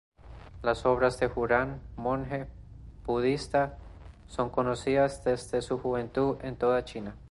Las obras de Juran, monje budista, son conocidas desde su juventud en toda China.